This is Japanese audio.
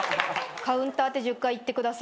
「カウンターって１０回言ってください」